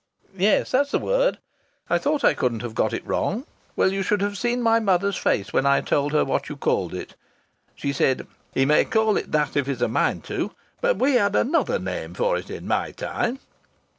"Yes, that's the word. I thought I couldn't have got it wrong. Well, you should have seen my mother's face when I told her what you called it. She said, 'He may call it that if he's a mind to, but we had another name for it in my time.'